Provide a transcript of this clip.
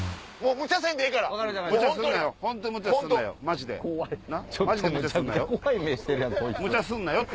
むちゃすんなよって！